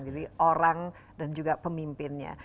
jadi orang dan juga pemimpinnya